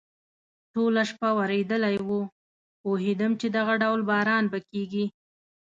ټوله شپه ورېدلی و، پوهېدم چې دغه ډول باران به کېږي.